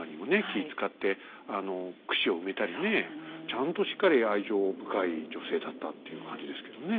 気遣ってくしを埋めたりねちゃんとしっかり愛情深い女性だったっていう感じですけどね。